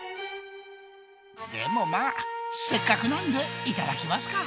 でもまあせっかくなんでいただきますか。